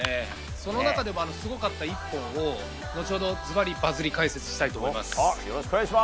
その中でもすごかった一本を後ほどズバリ★バズリ解説したいと思います。